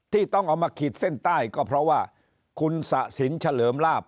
ที่ต้องเอามาขีดเส้นใต้ก็เพราะว่าคุณสะสินเฉลิมลาบ